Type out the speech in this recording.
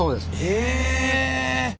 へえ。